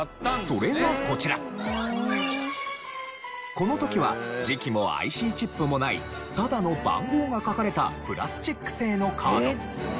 この時は磁気もＩＣチップもないただの番号が書かれたプラスチック製のカード。